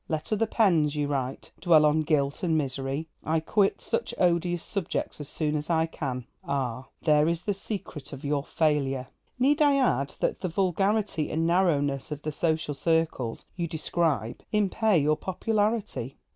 'Let other pens,' you write, 'dwell on guilt and misery. I quit such odious subjects as soon as I can.' Ah, there is the secret of your failure! Need I add that the vulgarity and narrowness of the social circles you describe impair your popularity?